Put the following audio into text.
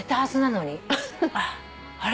あれ？